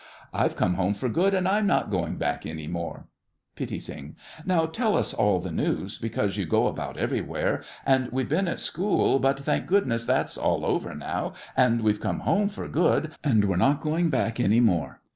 I've come home for good, and I'm not going back any more! PITTI. Now tell us all the news, because you go about everywhere, and we've been at school, but, thank goodness, that's all over now, and we've come home for good, and we're not going back any more!